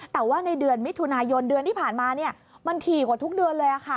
แต่ว่าในเดือนมิถุนายนเดือนที่ผ่านมามันถี่กว่าทุกเดือนเลย